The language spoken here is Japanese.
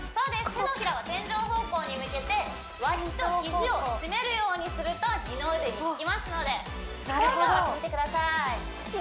手のひらは天井方向に向けて脇と肘を締めるようにすると二の腕にききますのでしっかり頑張ってみてください